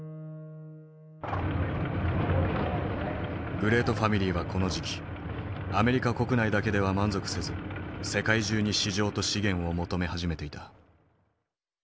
グレートファミリーはこの時期アメリカ国内だけでは満足せず世界中に市場と資源を求め始めていた。